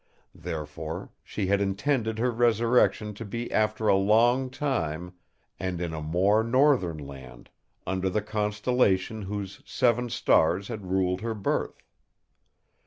Therefore, she had intended her resurrection to be after a long time and in a more northern land, under the constellation whose seven stars had ruled her birth.